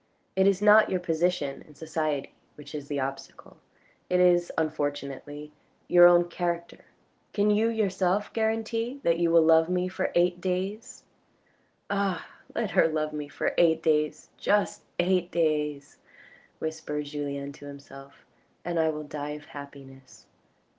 It is not your position in society which is the obstacle, it is unfortunately your own character. Can you yourself guarantee that you will love me for eight days ?"" Ah ! let her love me for eight days, just eight days," whispered Julien to himself, "and I will die of happiness.